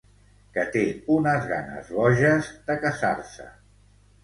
Que té unes ganes boges de casar-se.